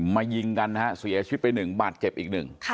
ยิงกันนะฮะเสียชีวิตไป๑บาทเจ็บอีกหนึ่ง